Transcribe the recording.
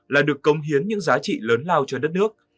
là được công hiến những giá trị lớn lao cho đất nước